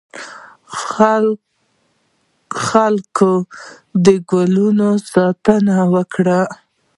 خلکو د ګلونو ستاینه وکړه.